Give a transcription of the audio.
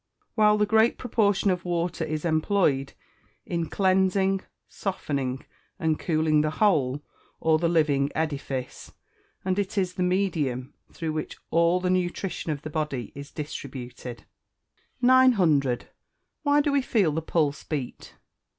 while the great proportion of water is employed in cleansing, softening, and cooling the whole, or the living edifice, and it is the medium through which all the nutrition of the body is distributed. 900. _Why do we feel the pulse beat?